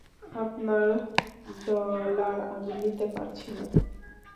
আপনার ডলার আমি নিতে পারছি না।